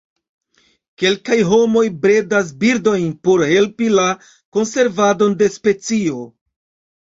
Kelkaj homoj bredas birdojn por helpi la konservadon de specio.